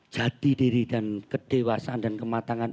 jadi diri dan kedewasaan dan kematangan